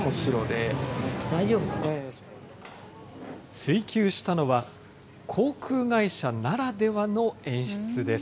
追求したのは、航空会社ならではの演出です。